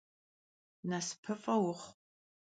Nasıpıf'e vuxhu!